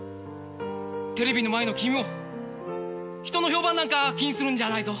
テレビの前の君も人の評判なんか気にするんじゃないぞ。